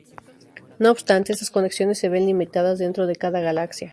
No obstante, estas conexiones se ven limitadas dentro de cada galaxia.